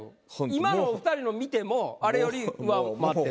今のお２人の見てもあれより上回ってる。